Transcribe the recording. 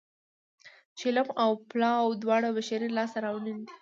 چلم او پلاو دواړه بشري لاسته راوړنې دي